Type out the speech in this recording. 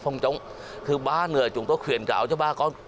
không chân thả châu bò trong những ngày rét đậm rét hại